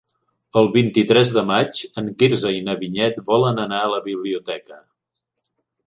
El vint-i-tres de maig en Quirze i na Vinyet volen anar a la biblioteca.